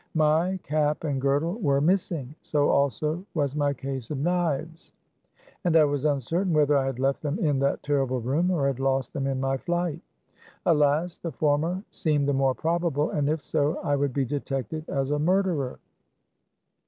My cap and girdle were missing, so also was my case of knives ; and I was uncertain whether I had left them in that terrible room, or had lost them in my flight. Alas ! the former seeined the more probable ; and if so, I would be detected as a murderer.